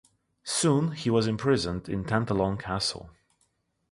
Soon he was imprisoned in Tantallon Castle.